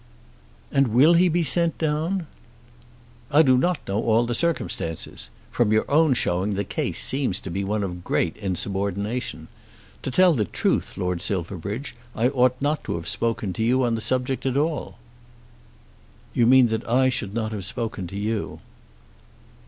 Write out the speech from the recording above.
"And will he be sent down?" "I do not know all the circumstances. From your own showing the case seems to be one of great insubordination. To tell the truth, Lord Silverbridge, I ought not to have spoken to you on the subject at all." "You mean that I should not have spoken to you."